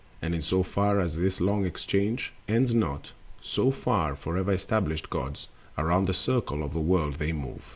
And in so far as this long interchange Ends not, so far forever established gods Around the circle of the world they move.